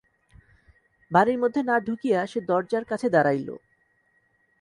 বাড়ির মধ্যে না ঢুকিয়া সে দরজার কাছে দাঁড়াইল।